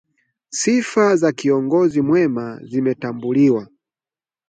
Sifa za kiongozi mwema zimetambuliwa